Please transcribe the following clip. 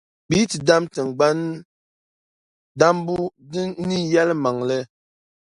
Bɛ yitidam tiŋgbani, dambu ni yεlmaŋli.